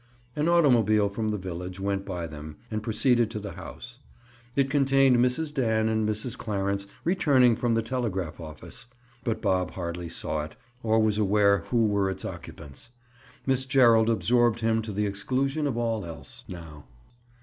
An automobile from the village went by them and proceeded to the house. It contained Mrs. Dan and Mrs. Clarence returning from the telegraph office, but Bob hardly saw it, or was aware who were its occupants. Miss Gerald absorbed him to the exclusion of all else now.